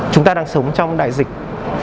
chúng ta đang sống trong đại dịch